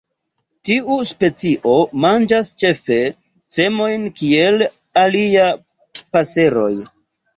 Tiu specio manĝas ĉefe semojn, kiel aliaj paseroj.